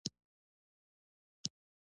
په هزاره ګانو کي هم ډير سُنيان شته